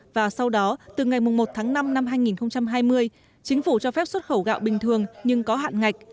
và sau đó từ ngày một tháng năm năm hai nghìn hai mươi chính phủ cho phép xuất khẩu gạo bình thường nhưng có hạn ngạch